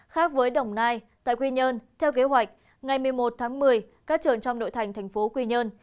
khác với đồng nai tại quy nhơn theo kế hoạch ngày một mươi một tháng một mươi các trường trong nội thành thành phố quy nhơn